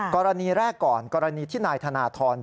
กรณีแรกก่อนกรณีที่นายธนทร